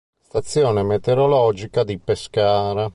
Stazione meteorologica di Pescara